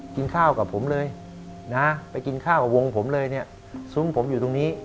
กินข้าวกับผมเลยนะไปกินข้าวกับวงผมเลยเนี่ยซุ้มผมอยู่ตรงนี้